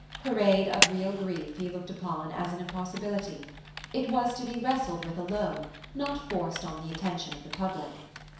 Parade of real grief he looked upon as an impossibility. It was to be wrestled with alone, not forced on the attention of the public.